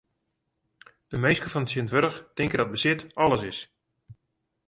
De minsken fan tsjintwurdich tinke dat besit alles is.